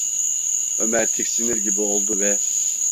Ömer tiksinir gibi oldu ve: